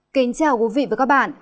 kính chào quý vị và các bạn